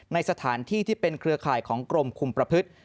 ในสถานที่ที่เป็นเครือข่ายของกรมคุมประพฤติ